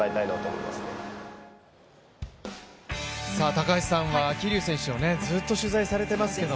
高橋さんは桐生選手をずっと取材されてますけど。